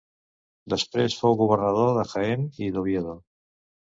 Després fou governador de Jaén i d'Oviedo.